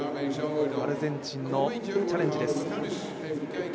アルゼンチンのチャレンジです。